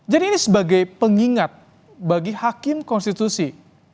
jadi ini sebagai pengingat bagi hakim konstitusi